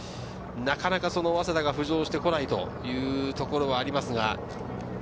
なかなか早稲田が浮上してこないというところがあります。